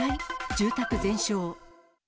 住宅全焼。